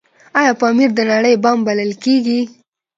آیا پامیر د نړۍ بام بلل کیږي؟